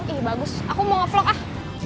oh bagus aku mau nge vlog ah